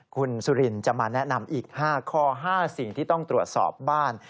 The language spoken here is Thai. คุณสุรินจะมาแนะนำอีก๕ข้อ๕สิ่งที่ต้องตรวจสอบบ้าน